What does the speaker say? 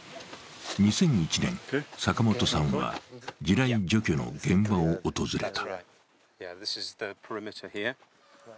２００１年、坂本さんは地雷除去の現場を訪れた。